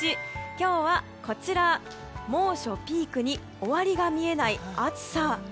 今日は、猛暑ピークに終わりが見えない暑さ。